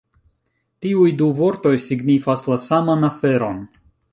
Tiuj du vortoj signifas la saman aferon!